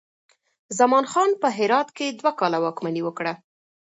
زمان خان په هرات کې دوه کاله واکمني وکړه.